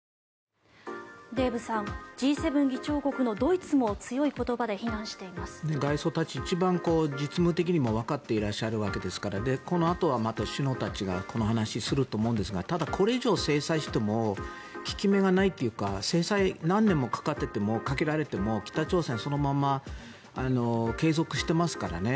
デーブさんＧ７議長国のドイツも強い言葉で外相たちは一番実務的にもわかっていらっしゃるわけですからこのあとはまた首脳たちがこの話をすると思うんですがただ、これ以上制裁しても効き目がないというか制裁を何年もかけられても、北朝鮮はそのまま継続してますからね。